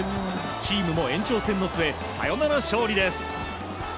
チームも延長戦の末サヨナラ勝利です。